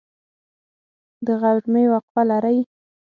د غرمې وقفه لرئ؟